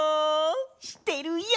してるよ！